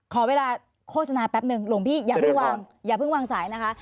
ขอเวลาโฆษณาแป๊บหนึ่งหลวงพี่อย่าพึ่งวางสายนะคะ